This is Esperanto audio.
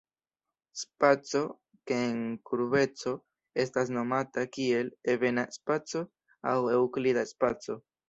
Spaco sen kurbeco estas nomata kiel "ebena spaco" aŭ eŭklida spaco.